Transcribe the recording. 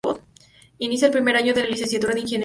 Inicia el primer año de la licenciatura de Ingeniería.